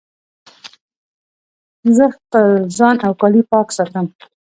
زه خپل ځان او کالي پاک ساتم.